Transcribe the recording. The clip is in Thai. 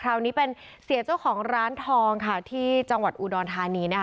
คราวนี้เป็นเสียเจ้าของร้านทองค่ะที่จังหวัดอุดรธานีนะคะ